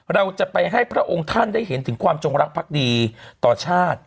เราจะไปให้พระองค์ท่านได้เห็นถึงความจงรักภักดีต่อชาติ